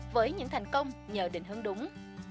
với những thành công nhờ định hướng đúng